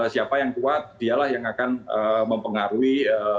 siapa yang kuat dialah yang akan mempengaruhi